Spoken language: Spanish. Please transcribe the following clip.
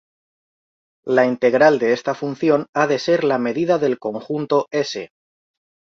La integral de esta función ha de ser la medida del conjunto "S".